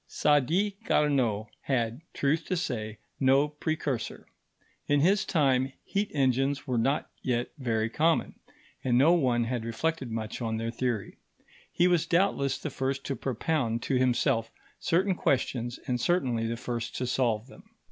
Sadi Carnot had, truth to say, no precursor. In his time heat engines were not yet very common, and no one had reflected much on their theory. He was doubtless the first to propound to himself certain questions, and certainly the first to solve them.